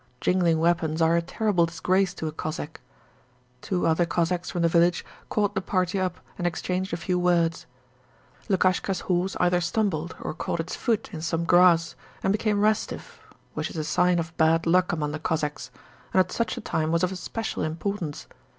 Jingling weapons are a terrible disgrace to a Cossack. Two other Cossacks from the village caught the party up and exchanged a few words. Lukashka's horse either stumbled or caught its foot in some grass, and became restive which is a sign of bad luck among the Cossacks, and at such a time was of special importance.